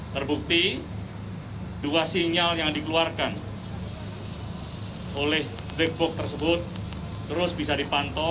terbukti dua sinyal yang dikeluarkan oleh black box tersebut terus bisa dipantau